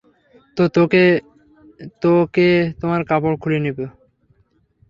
তো কে তোমার কাপড় খুলে নিবে?